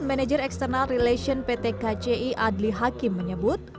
manajer eksternal relation pt kci adli hakim menyebut